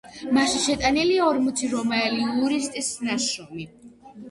მასში შეტანილია ორმოცი რომაელი იურისტის ნაშრომი.